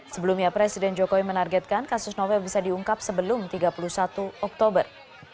sebelumnya presiden jokowi menargetkan kasus novel bisa diungkap sebelum tiga puluh satu oktober